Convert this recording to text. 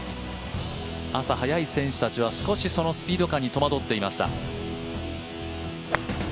朝早い選手たちは、少しそのスピード感に戸惑っていました。